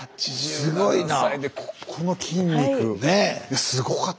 すごいなあ。